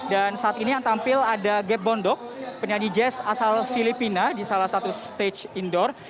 dan saat ini yang tampil ada gep bondok penyanyi jazz asal filipina di salah satu stage indoor